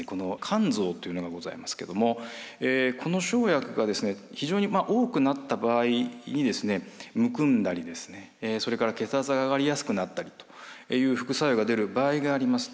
甘草というのがございますけどもこの生薬が非常に多くなった場合にむくんだりそれから血圧が上がりやすくなったりという副作用が出る場合があります。